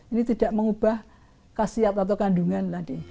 ini tidak mengubah khasiat atau kandungan